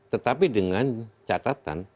tetapi dengan catatan